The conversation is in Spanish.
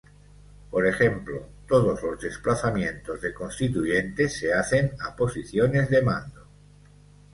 Por ejemplo, todos los desplazamientos de constituyentes se hacen a "posiciones de mando".